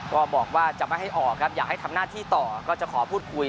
ก็บอกว่าจะไม่ให้ออกครับอยากให้ทำหน้าที่ต่อก็จะขอพูดคุย